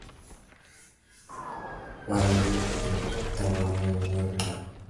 While in Ottawa he lived in Stadacona Hall in Sandy Hill.